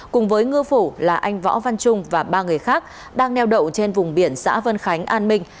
cùng với ngư phủ là anh võ văn trung và ba người khác đang neo đậu trên vùng biển xã vân khánh an minh